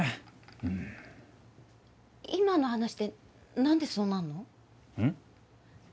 うん今の話で何でそうなんの？